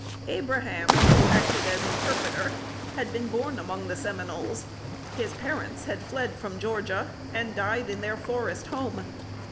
Abraham, who acted as interpreter, had been born among the Seminoles. His parents had fled from Georgia, and died in their forest home.